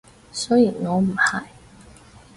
雖然我唔係